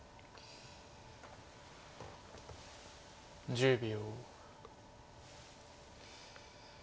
１０秒。